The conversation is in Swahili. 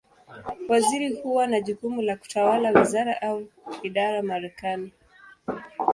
Waziri huwa na jukumu la kutawala wizara, au idara Marekani.